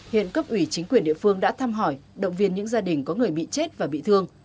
hiện cấp ủy chính quyền địa phương đã thăm hỏi động viên những gia đình có người bị chết và bị thương